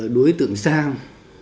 đối tượng giang